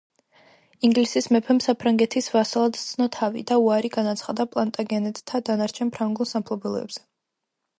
ინგლისის მეფემ საფრანგეთის ვასალად სცნო თავი და უარი განაცხადა პლანტაგენეტთა დანარჩენ ფრანგულ სამფლობელოებზე.